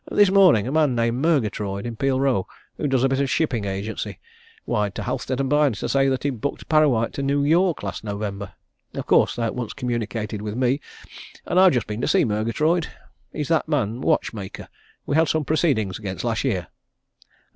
"This morning, a man named Murgatroyd, in Peel Row, who does a bit of shipping agency, wired to Halstead & Byner to say that he booked Parrawhite to New York last November. Of course, they at once communicated with me, and I've just been to see Murgatroyd. He's that man watchmaker we had some proceedings against last year."